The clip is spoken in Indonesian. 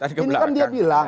ini kan dia bilang